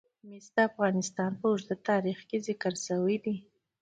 مس د افغانستان په اوږده تاریخ کې ذکر شوی دی.